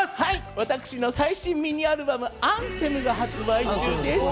私の最新ミニアルバム『Ａｎｔｈｅｍ』が発売中です。